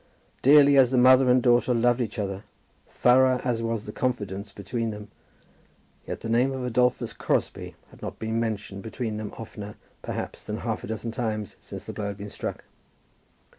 Dearly as the mother and daughter loved each other, thorough as was the confidence between them, yet the name of Adolphus Crosbie had not been mentioned between them oftener, perhaps, than half a dozen times since the blow had been struck.